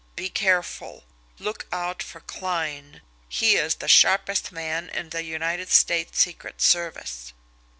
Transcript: Be careful. Look out for Kline, he is the sharpest man in the United States secret service."